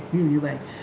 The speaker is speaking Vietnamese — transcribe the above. ví dụ như vậy